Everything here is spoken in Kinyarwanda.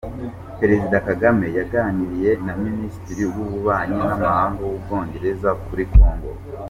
Perezida Kagame yaganiriye na Minisitiri w’Ububanyi n’Amahanga w’u Bwongereza kuri Congo